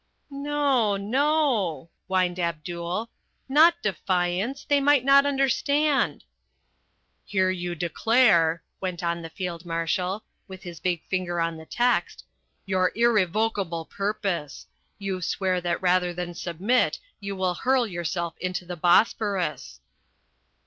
"No, no," whined Abdul. "Not defiance; they might not understand." "Here you declare," went on the Field Marshal, with his big finger on the text, "your irrevocable purpose. You swear that rather than submit you will hurl yourself into the Bosphorus."